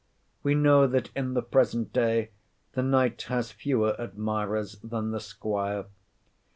We know that in the present day the Knight has fewer admirers than the Squire.